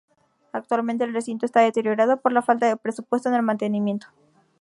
Actualmente el recinto está deteriorado por falta de presupuesto en el mantenimiento.